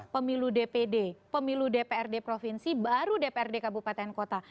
pemilu dpd pemilu dprd provinsi baru dprd kabupaten kota